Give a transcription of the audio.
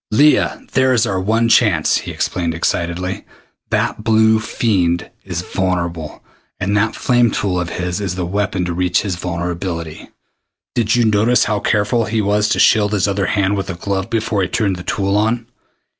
"Leah, there is our one chance!" he explained excitedly. "That blue fiend is vulnerable, and that flame tool of his is the weapon to reach his vulnerability. Did you notice how careful he was to shield his other hand with a glove before he turned the tool on?